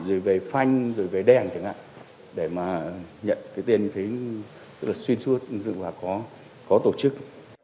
rồi về phanh rồi về đèn chẳng hạn để mà nhận cái tiền như thế xuyên suốt và có tổ chức